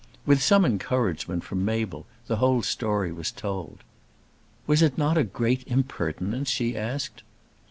With some encouragement from Mabel the whole story was told. "Was it not a great impertinence?" she asked.